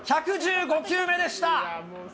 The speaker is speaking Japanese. １１５球目でした。